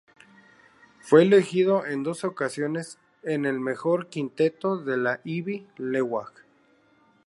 Fue elegido en dos ocasiones en el mejor quinteto de la Ivy League.